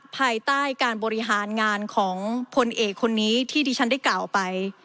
ภายใต้การบริหารงานของพลเอกคนนี้ที่ดิฉันได้กล่าวไป